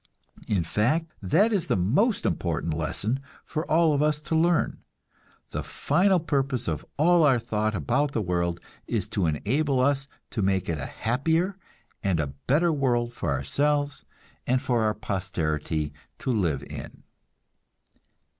In fact, that is the most important lesson of all for us to learn; the final purpose of all our thought about the world is to enable us to make it a happier and a better world for ourselves and our posterity to live in.